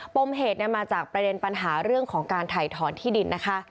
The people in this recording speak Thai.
ปมเหตุมาจากประเด็นปัญหาเรื่องของการถ่ายถอนที่ดินนะคะ